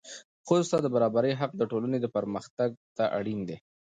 ښځو ته د برابرۍ حق د ټولنې پرمختګ ته اړین دی.